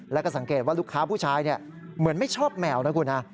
แล้วก็สังเกตว่าลูกค้าผู้ชายเหมือนไม่ชอบแมวนะคุณฮะ